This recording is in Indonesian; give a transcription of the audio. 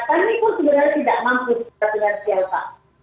kami pun sebenarnya tidak mangsa secara finansial pak